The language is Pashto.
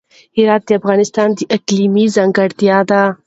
هرات د افغانستان د اقلیم ځانګړتیا ده.